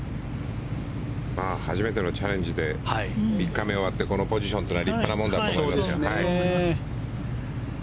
初めてのチャレンジで３日目終わってこのポジションというのは立派なものだと思います。